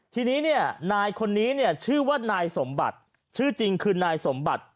ทีนี้เนี่ยนายคนนี้เนี่ยชื่อว่านายสมบัติชื่อจริงคือนายสมบัติ